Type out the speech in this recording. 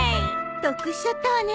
得しちゃったわね。